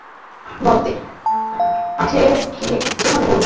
আছে কি সেখানে, বলুন?